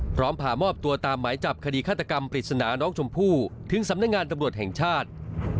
พามอบตัวตามหมายจับคดีฆาตกรรมปริศนาน้องชมพู่ถึงสำนักงานตำรวจแห่งชาติ